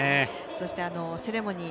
そして、セレモニー